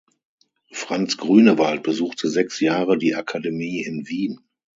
Franz Grünewald besuchte sechs Jahre die Akademie in Wien.